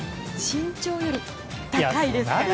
身長より高いですから。